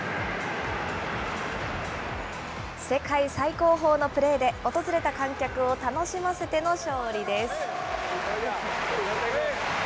世界最高峰のプレーで、訪れた観客を楽しませての勝利です。